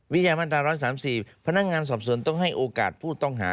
ยามาตรา๑๓๔พนักงานสอบสวนต้องให้โอกาสผู้ต้องหา